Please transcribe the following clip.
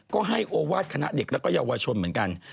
ก็ให้โอวาสคณะเด็กและเยาวชนเหมือนกัน